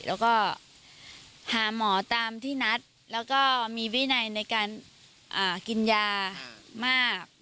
แล้วก็หาหมอตามที่นัดแล้วก็มีวินัยในการกินยามาก